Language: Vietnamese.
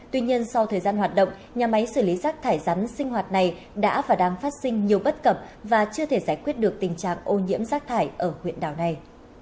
tuy nhiên sau thời gian hoạt động nhà máy xử lý rác thải rắn sinh hoạt này đã và đang phát sinh nhiều bất cập và chưa thể giải quyết được tình trạng ô nhiễm rác thải ở huyện đảo này